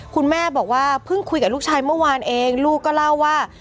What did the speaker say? คุณแม่บอกว่าเพิ่งคุยกับลูกชายเมื่อวานเองลูกก็เล่าว่า